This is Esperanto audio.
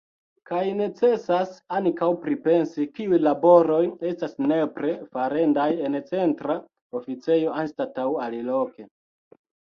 Kaj necesas ankaŭ pripensi, kiuj laboroj estas nepre farendaj en Centra Oficejo anstataŭ aliloke.